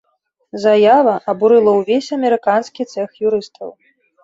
Заява абурыла ўвесь амерыканскі цэх юрыстаў.